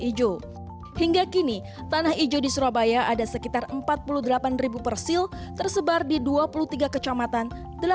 hijau hingga kini tanah hijau di surabaya ada sekitar empat puluh delapan persil tersebar di dua puluh tiga kecamatan